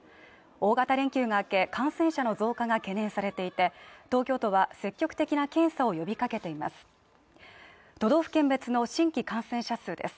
大型連休が明け、感染者の増加が懸念されていて東京都は積極的な検査を呼びかけています。